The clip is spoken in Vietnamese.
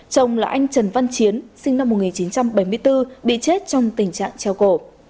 chồng là anh trần văn chiến sinh năm một nghìn chín trăm bảy mươi bốn bị chết trong tình trạng treo cổ